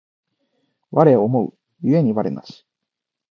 我思う故に我なし